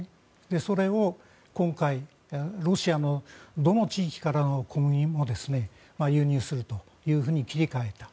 それを今回ロシアのどの地域からの小麦も輸入するというふうに切り替えた。